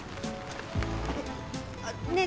あっねえ